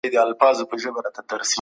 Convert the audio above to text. یونلیکونه د څېړنې لپاره مهمې سرچینې دي.